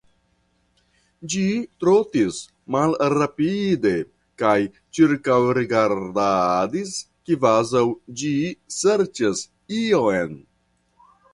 Ĝi trotis malrapide, kaj ĉirkaŭrigardadis, kvazaŭ ĝi serĉas ion.